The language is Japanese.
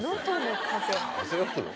風が吹くの？